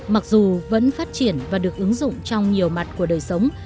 mặc dù vẫn phát triển và được ứng dụng trong nhiều mặt của đời sống